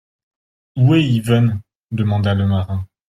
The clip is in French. Où est Yvonne ? demanda le marin.